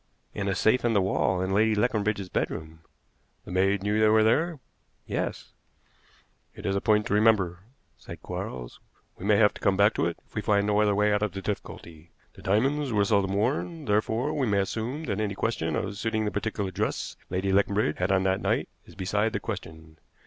"In a safe in the wall in Lady Leconbridge's bedroom." "The maid knew they were there?" "Yes." "It is a point to remember," said Quarles. "We may have to come back to it if we find no other way out of the difficulty. The diamonds were seldom worn, therefore we may assume that any question of suiting the particular dress Lady Leconbridge had on that night is beside the question.